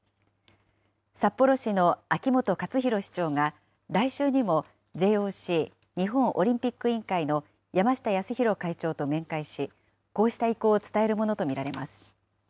札幌市の秋元克広市長が来週にもＪＯＣ・日本オリンピック委員会の山下泰裕会長と面会し、こうした意向を伝えるものと見られます。